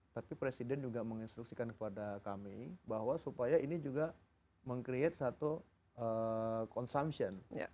tapi presiden juga menginstruksikan kepada kami bahwa supaya ini juga meng create satu consumption